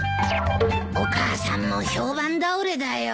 お母さんも評判倒れだよ。